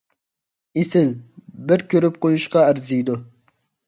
ئېسىل! بىر كۆرۈپ قويۇشقا ئەرزىيدۇ.